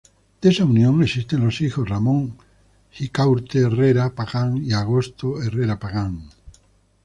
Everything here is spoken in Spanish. De esa unión existen los hijos Ramón Ricaurte Herrera Pagán y Agosto Herrera Pagán.